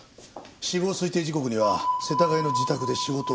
死亡推定時刻には世田谷の自宅で仕事をしていたと。